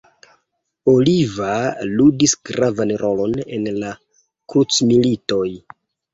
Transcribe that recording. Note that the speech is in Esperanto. Oliver ludis gravan rolon en la krucmilitoj.